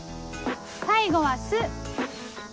最後は「す」。